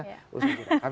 kami akan segera kembali